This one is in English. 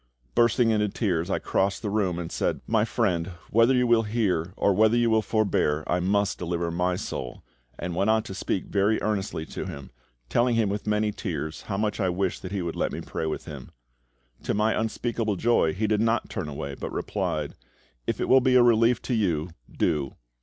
Bursting into tears, I crossed the room and said, "My friend, whether you will hear or whether you will forbear, I must deliver my soul," and went on to speak very earnestly to him, telling him with many tears how much I wished that he would let me pray with him. To my unspeakable joy he did not turn away, but replied, "If it will be a relief to you, do."